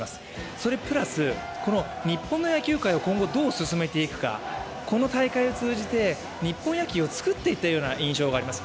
それプラス、日本の野球界を今後どう進めていくか、この大会を通じて、日本野球を作っていったような印象があります。